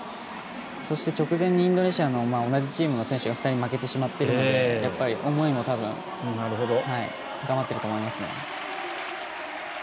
そして、直前にインドネシアの同じチームの選手２人、負けてしまってるので思いも多分高まってると思いますね。